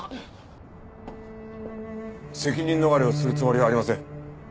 責任逃れをするつもりはありません。